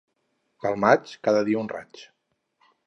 Pel maig, cada dia un raig